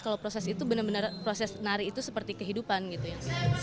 kalau proses itu benar benar proses nari itu seperti kehidupan gitu ya